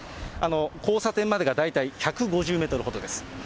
交差点までが大体１５０メートルほどです。